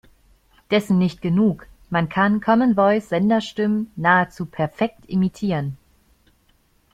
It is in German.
Dessen nicht genug: Man kann Common Voice Spenderstimmen nahezu perfekt imitieren.